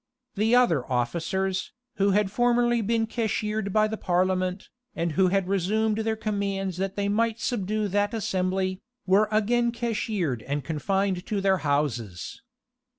The other officers, who had formerly been cashiered by the parliament, and who had resumed their commands that they might subdue that assembly, were again cashiered and confined to their houses.